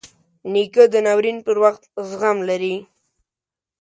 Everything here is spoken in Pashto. نیکه د ناورین پر وخت زغم لري.